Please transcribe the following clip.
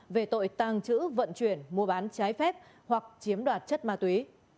về tội tàng trữ vận chuyển mua bán trái phép hoặc chiếm đoạt chất ma túy